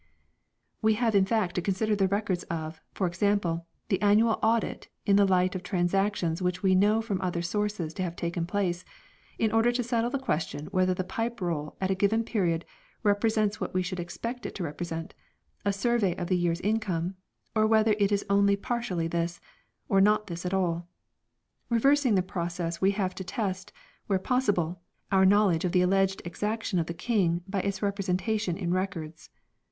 We have in fact to consider the Records of, for example, the annual Audit in the light of transactions which we know from other sources to have taken place, in order to settle the question whether the Pipe Roll at a given period represents what we should expect it to represent a survey of the year's income or whether it is only partially this, or not this at all. Reversing the process we have to test, where pos sible, our knowledge of the alleged exaction of the King by its representation in Records.